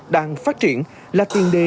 đang phát triển là tiền đề